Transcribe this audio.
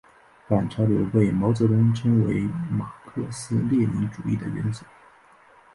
反潮流被毛泽东称为马克思列宁主义的原则。